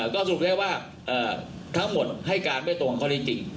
ก็สรุปแรกว่าเอ่อทั้งหมดให้การเพียกตรวงของเขาจริงจริง